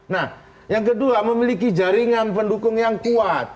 nah yang kedua memiliki jaringan pendukung yang kuat